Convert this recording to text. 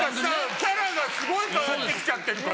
キャラがすごい変わってきちゃってるから。